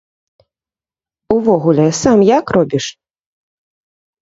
Увогуле, сам як робіш?